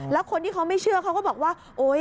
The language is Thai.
แล้วคนที่เขาไม่เชื่อเขาก็บอกว่าโอ๊ย